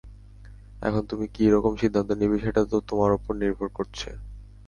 এখন তুমি কি রকম সিদ্ধান্ত নিবে, সেটা তো তোমার উপর নির্ভর করছে?